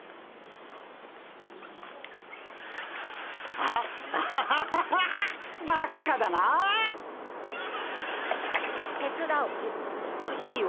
あっいいよ。